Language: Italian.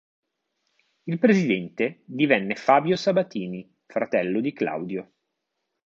Il presidente divenne Fabio Sabatini, fratello di Claudio.